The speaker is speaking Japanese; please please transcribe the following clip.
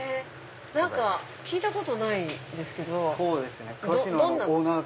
何か聞いたことないんですけどどんな。